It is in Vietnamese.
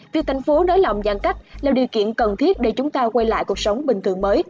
việc thành phố nới lỏng giãn cách là điều kiện cần thiết để chúng ta quay lại cuộc sống bình thường mới